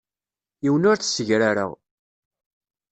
Yiwen ur t-ssegrareɣ.